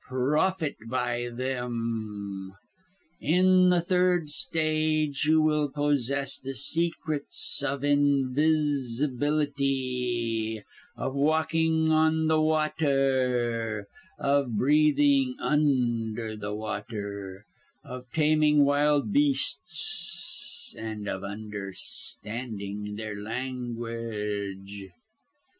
Profit by them. "In the third stage you will possess the secrets of invisibility; of walking on the water; of breathing under the water; of taming wild beasts; and of understanding their language.